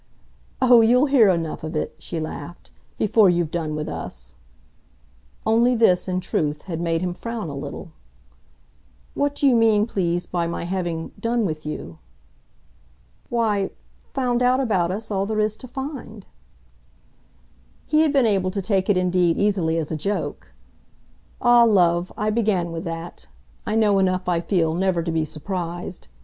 "Oh, you'll hear enough of it," she laughed, "before you've done with us." Only this, in truth, had made him frown a little. "What do you mean, please, by my having 'done' with you?" "Why, found out about us all there is to find." He had been able to take it indeed easily as a joke. "Ah, love, I began with that. I know enough, I feel, never to be surprised.